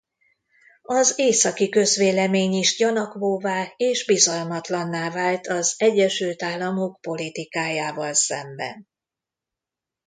Az északi közvélemény is gyanakvóvá és bizalmatlanná vált az Egyesült Államok politikájával szemben.